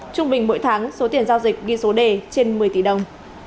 trung bình mỗi tháng số tiền giao dịch ghi số đề trên một mươi tỷ đồng